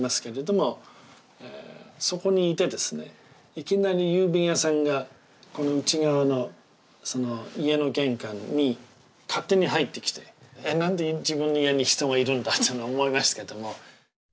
いきなり郵便屋さんがこの内側の家の玄関に勝手に入ってきて「え？何で自分の家に人がいるんだ」と思いましたけども。